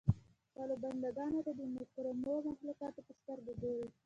خپلو بنده ګانو ته د مکرمو مخلوقاتو په سترګه ګوري.